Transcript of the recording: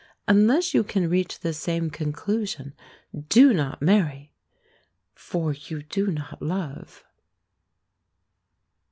Unless you can reach this same conclusion, do not marry for you do not love.